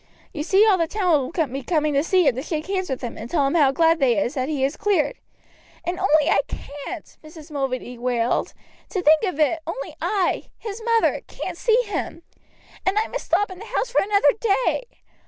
You see all the town will be coming to see him to shake hands with him and tell him how glad they is that he is cleared." "And only I can't!" Mrs. Mulready wailed. "To think of it, only I, his mother, can't see him! And I must stop in the house for another day!